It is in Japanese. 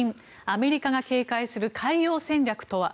アメリカが警戒する海洋戦略とは。